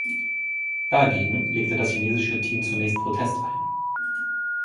Dagegen legte das chinesische Team zunächst Protest ein.